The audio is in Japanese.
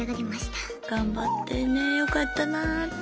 頑張ったよねよかったなってね。